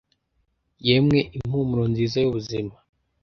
yemwe impumuro nziza y'ubuzima